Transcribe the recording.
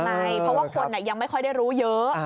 เพราะว่าคนยังไม่ค่อยได้รู้เยอะ